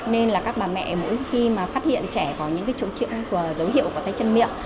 nên các bà mẹ mỗi khi phát hiện trẻ có những trụ trị của dấu hiệu tay chân miệng